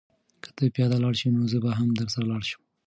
که ته پیاده لاړ شې نو زه به هم درسره لاړ شم.